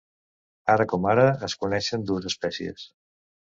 Ara com ara es coneixen dues espècies.